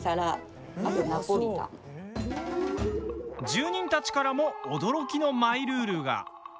住人たちからも驚きのマイルールが。